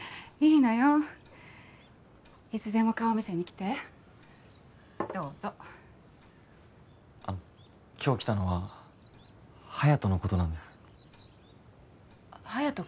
いつでも顔見せに来てどうぞあの今日来たのは隼人のことなんです隼人